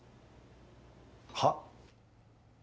はっ？